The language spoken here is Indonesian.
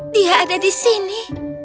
dia ada di sini